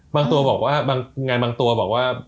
บางตัวบอกว่างานบางตัวบอกว่า